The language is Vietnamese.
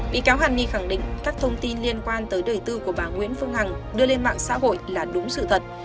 bị cáo hàn ni khẳng định các thông tin liên quan tới đời tư của bà nguyễn phương hằng đưa lên mạng xã hội là đúng sự thật